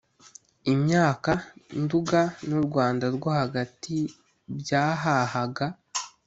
imyaka nduga n u rwanda rwo hagati byahahaga